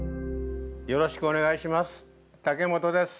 よろしくお願いします。